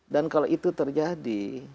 dan kalau itu terjadi